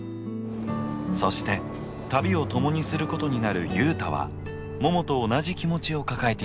そして旅を共にすることになる雄太はももと同じ気持ちを抱えていました。